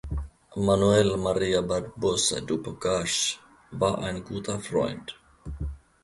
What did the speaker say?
Manoel Maria Barbosa du Bocage war ein guter Freund.